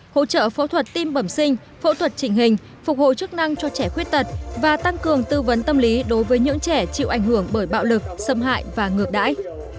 hỗ trợ phẫu thuật tim bẩm sinh phẫu thuật trình hình phục hồi chức năng cho trẻ khuyết tật và tăng cường tư vấn tâm lý đối với những trẻ chịu ảnh hưởng bởi bạo lực xâm hại và ngược đãi